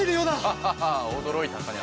ハハハおどろいたかね